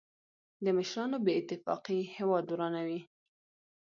د مشرانو بې اتفاقي هېواد ورانوي.